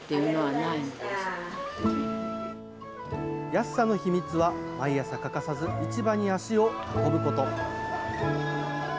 安さの秘密は、毎朝欠かさず市場に足を運ぶこと。